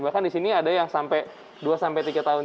bahkan di sini ada yang sampai dua tiga tahun